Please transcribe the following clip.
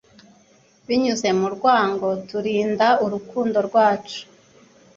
Binyuze mu rwango turinda urukundo rwacu